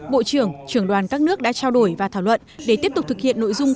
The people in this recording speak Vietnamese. bộ trưởng trưởng đoàn các nước đã trao đổi và thảo luận để tiếp tục thực hiện nội dung